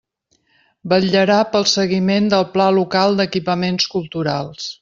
Vetllarà pel seguiment del Pla Local d'Equipaments Culturals.